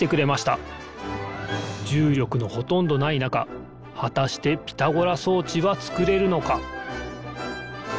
じゅうりょくのほとんどないなかはたしてピタゴラ装置はつくれるのか？